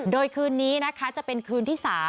โดยคืนนี้นะคะจะเป็นคืนที่๓